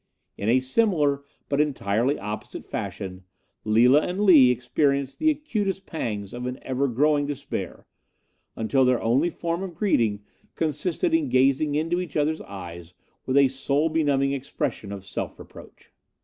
In a similar but entirely opposite fashion, Lila and Lee experienced the acutest pangs of an ever growing despair, until their only form of greeting consisted in gazing into each other's eyes with a soul benumbing expression of self reproach.